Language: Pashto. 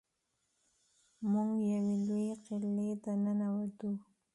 موږ یوې لویې قلعې ته ننوتو.